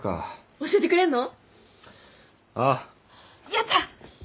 やった！